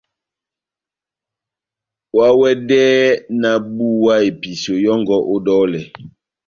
Oháwɛdɛhɛ nahábuwa episeyo yɔngɔ ó dɔlɛ !